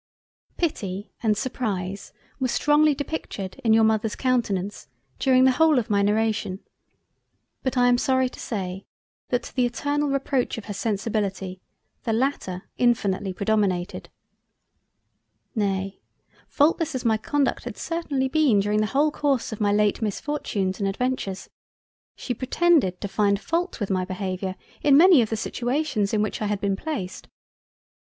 Pity and surprise were strongly depictured in your Mother's countenance, during the whole of my narration, but I am sorry to say, that to the eternal reproach of her sensibility, the latter infinitely predominated. Nay, faultless as my conduct had certainly been during the whole course of my late misfortunes and adventures, she pretended to find fault with my behaviour in many of the situations in which I had been placed.